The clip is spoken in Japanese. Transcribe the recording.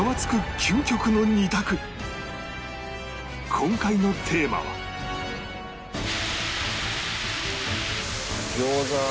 今回のテーマは餃子。